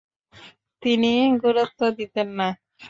তিনি গুরুত্ব দিতেন না।